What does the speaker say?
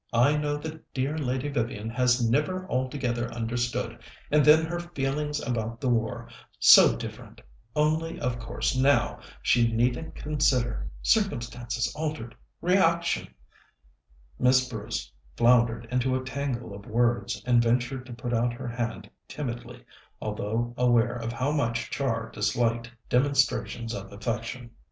I know that dear Lady Vivian has never altogether understood; and then her feelings about the war so different only, of course, now she needn't consider circumstances altered reaction " Miss Bruce floundered into a tangle of words, and ventured to put out her hand timidly, although aware of how much Char disliked demonstrations of affection.